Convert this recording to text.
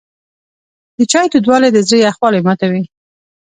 د چای تودوالی د زړه یخوالی ماتوي.